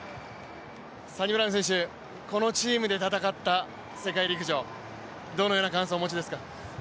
サニブラウン選手、このチームで戦った世界陸上、どのような感想をお持ちですか。